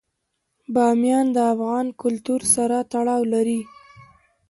بامیان د افغان کلتور سره تړاو لري.